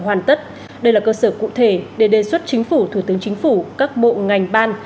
hoàn tất đây là cơ sở cụ thể để đề xuất chính phủ thủ tướng chính phủ các bộ ngành ban